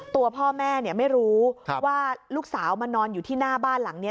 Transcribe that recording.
ตัวพ่อแม่ไม่รู้ว่าลูกสาวมานอนอยู่ที่หน้าบ้านหลังนี้